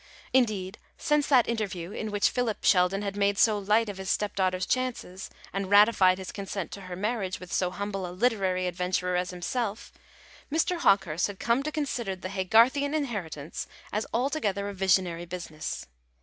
Indeed, since that interview in which Philip Sheldon had made so light of his stepdaughter's chances, and ratified his consent to her marriage with so humble a literary adventurer as himself, Mr. Hawkehurst had come to consider the Haygarthian inheritance as altogether a visionary business.